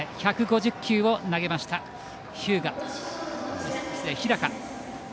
１５０球を投げました、日高。